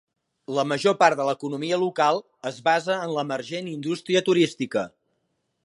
La major part de l'economia local es basa en l'emergent indústria turística.